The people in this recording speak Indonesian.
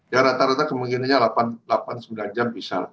ya rata rata kemungkinannya delapan sembilan jam bisa